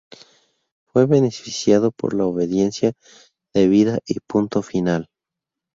Fue beneficiado por la Obediencia Debida y Punto Final.